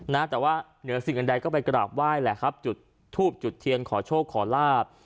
นะแต่ว่าเหนือสิ่งอื่นใดก็ไปกราบไหว้แหละครับจุดทูบจุดเทียนขอโชคขอลาบ